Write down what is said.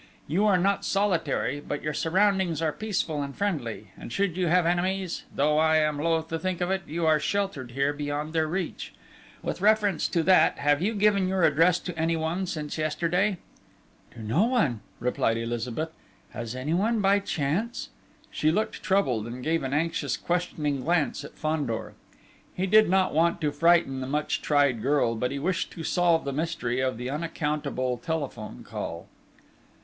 You are not solitary; but your surroundings are peaceful and friendly, and should you have enemies, though I am loath to think it, you are sheltered here beyond their reach. With reference to that, have you given your address to anyone, since yesterday?" "To no one," replied Elizabeth. "Has anyone by chance?..." She looked troubled, and gave an anxious questioning glance at Fandor. He did not want to frighten the much tried girl, but he wished to solve the mystery of the unaccountable telephone call.